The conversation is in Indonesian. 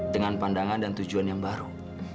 dengan pandangan dan tujuan yang baru